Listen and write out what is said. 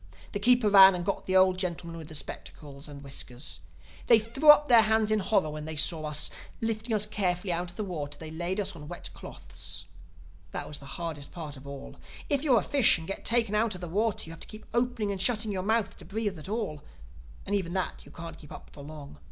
The keeper ran and got the old gentlemen with spectacles and whiskers. They threw up their hands in horror when they saw us. Lifting us carefully out of the water they laid us on wet cloths. That was the hardest part of all. If you're a fish and get taken out of the water you have to keep opening and shutting your mouth to breathe at all—and even that you can't keep up for long.